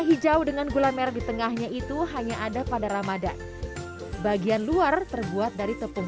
hijau dengan gula merah di tengahnya itu hanya ada pada ramadan bagian luar terbuat dari tepung